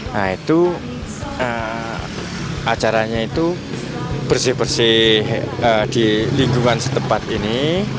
nah itu acaranya itu bersih bersih di lingkungan setempat ini